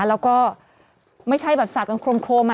แล้วก็ไม่ใช่แบบสาดกันโครม